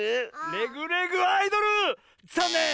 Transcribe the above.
「レグ・レグ・アイドル」ざんねん！